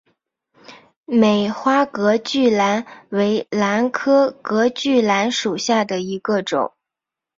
美花隔距兰为兰科隔距兰属下的一个种。